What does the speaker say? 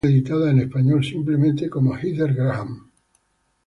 Algunas ellas han sido editadas en español simplemente como Heather Graham.